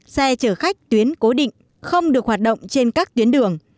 xe chở khách tuyến cố định không được hoạt động trên các tuyến đường